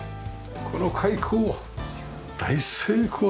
この開口大成功ですね。